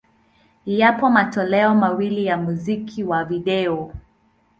Yapo matoleo mawili ya muziki wa video.